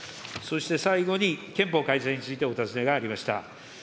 そして最後に憲法改正についてお尋ねがありました。